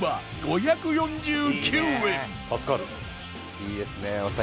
いいですねえ。